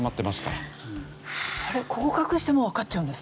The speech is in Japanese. ここ隠してもわかっちゃうんですか？